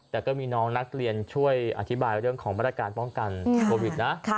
แต่ก็มีน้องนักเรียนช่วยอธิบายเรื่องของมาตรการป้องกันโควิดนะ